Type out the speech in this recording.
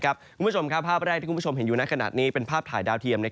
คุณผู้ชมครับภาพแรกที่คุณผู้ชมเห็นอยู่ในขณะนี้เป็นภาพถ่ายดาวเทียม